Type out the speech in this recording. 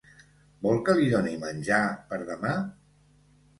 Vol que li doni menjar per demà?